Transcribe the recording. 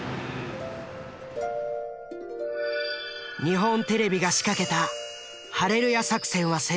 日本テレビが仕掛けた「ハレルヤ」作戦は成功。